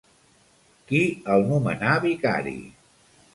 Qui el nomenà vicari?